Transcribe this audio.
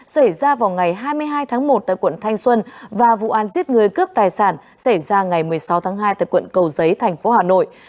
xảy ra vào ngày hai mươi hai tháng một tại quận thanh xuân và vụ án giết người cướp tài sản xảy ra ngày một mươi sáu tháng hai tại quận cầu giấy thành phố hà nội